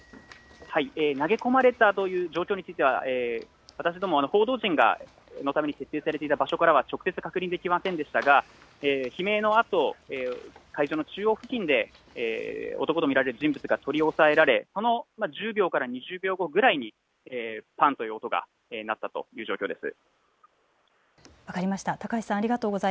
投げ込まれたという状況については私ども報道陣に設定されていた場所では直接確認できませんでしたが悲鳴のあと会場の中央付近で男と見られる人物が取り押さえられその１０秒から２０秒後ぐらいにぱんという音が鳴ったという状況です。